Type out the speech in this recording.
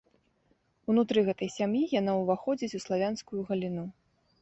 Унутры гэтай сям'і яна ўваходзіць у славянскую галіну.